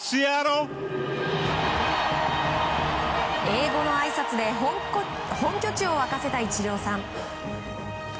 英語のあいさつで本拠地を沸かせたイチローさん。